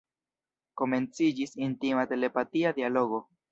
Komenciĝis intima telepatia dialogo.